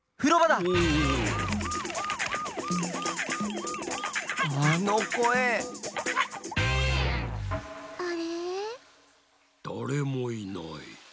だれもいない。